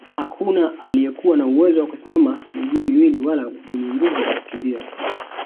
Hakuna aliyekuwa na uwezo wa kusimamia miguu miwili wala mwenye nguvu za kukimbia